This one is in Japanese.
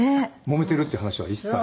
もめてるって話は一切。